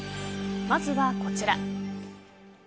まずはこちら。